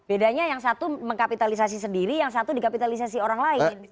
bedanya yang satu mengkapitalisasi sendiri yang satu dikapitalisasi orang lain